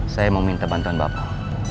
saya mau minta bantuan bapak